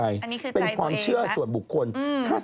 อันนี้คือใจตัวเองนะเป็นความเชื่อส่วนบุคคลอันนี้คือใจตัวเองนะ